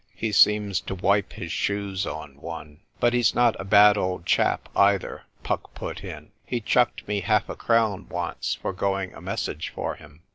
"He seems to wipe his shoes on one." " But he's not a bad old chap, either," Puck put in. " He chucked me half a crown once for going a message for him."